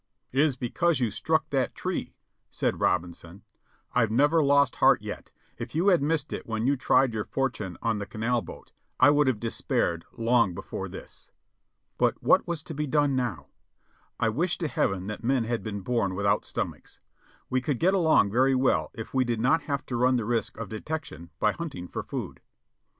''It is because you struck that tree," said Robinson, "I've never lost heart yet ; if you had missed it when you tried your fortune on the canal boat, I would have despaired long before this." But what was to be done now? I wished to heaven that men had been born without stomachs. We could get along very well if we did not have to run the risk of detection by hunting for food.